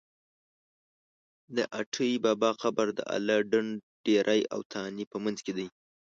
د اټی بابا قبر د اله ډنډ ډېری او تانې په منځ کې دی.